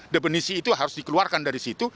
definisi itu harus dikeluarkan dari situ